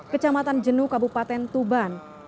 kecamatan jenuh kabupaten tuban